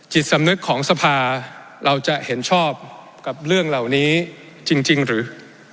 จิตสำนึกของสภาเราจะเห็นชอบกับเรื่องเหล่านี้จริงหรือ